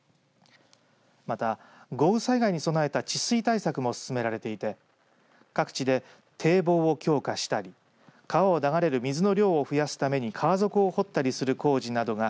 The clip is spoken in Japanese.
また豪雨災害に備えた治水対策も進められていて各地で堤防を強化したり川を流れる水の量を増やすために川底を掘ったりする工事などが